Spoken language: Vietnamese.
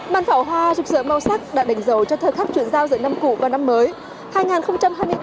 bắn pháo hoa rục rỡ màu sắc đã đánh dấu cho thơ khắc chuyển giao giữa năm cũ và năm mới